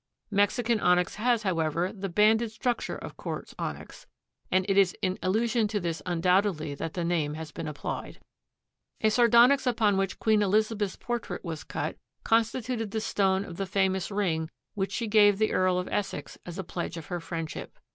Mexican onyx has, however, the banded structure of quartz onyx and it is in allusion to this undoubtedly that the name has been applied. A sardonyx upon which Queen Elizabeth's portrait was cut constituted the stone of the famous ring which she gave the Earl of Essex as a pledge of her friendship.